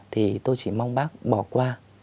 thì tôi chỉ mong bác bỏ qua